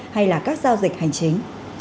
hay là các giao dịch hành chính